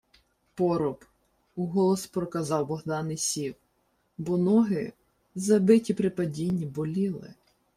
— Поруб, — уголос проказав Богдан і сів, бо ноги, забиті при падінні, боліли.